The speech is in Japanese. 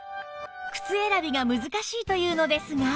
靴選びが難しいというのですが